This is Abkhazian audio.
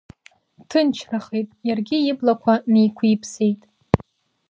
Ҭынчрахеит, иаргьы иблақәа неиқәиԥсеит.